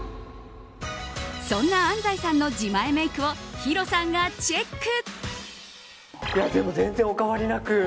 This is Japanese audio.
そんな安西さんの自前メイクをヒロさんがチェック。